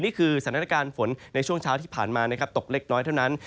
นี่คือสถานการณ์ฝนในช่วงเช้าที่ผ่านมานะครับตกเล็กน้อยเท่านั้น